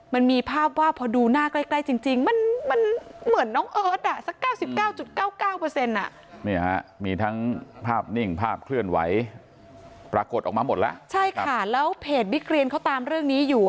มันมีภาพว่าพอดูหน้าใกล้จริง